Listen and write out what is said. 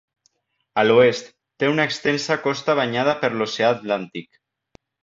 A l'oest, té una extensa costa banyada per l'oceà Atlàntic.